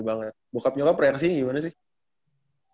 banget bokapnya lo preaksi gimana sih